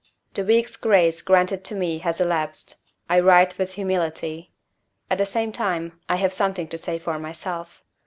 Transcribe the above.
The week's grace granted to me has elapsed. I write with humility. At the same time I have something to say for myself.